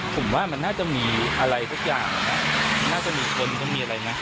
ผมว่ามันน่าจะมีอะไรทุกอย่างน่าจะมีคนมีอะไรนะ